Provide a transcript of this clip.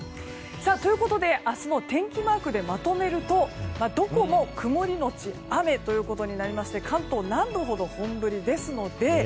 ということで明日の天気マークでまとめるとどこも曇り後雨ということになりまして関東南部ほど本降りですので。